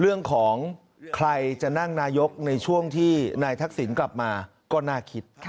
เรื่องของใครจะนั่งนายกในช่วงที่นายทักษิณกลับมาก็น่าคิด